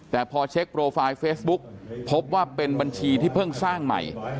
แต่พอเช็คโปรไฟล์เฟซบุ๊กพบว่าเป็นบัญชีที่เพิ่งสร้างใหม่